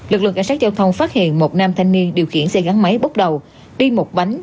lực lượng cảnh sát giao thông phát hiện một nam thanh niên điều khiển xe gắn máy bốc đầu đi một bánh